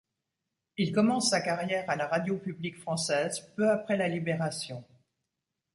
Il commence sa carrière à la radio publique française peu après la Libération.